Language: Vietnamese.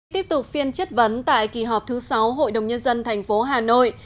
tiếp tục phiên chất vấn tại kỳ họp thứ sáu hội đồng nhân dân tp hà nội